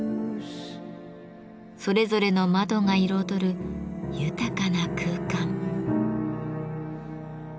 それぞれの窓が彩る豊かな空間。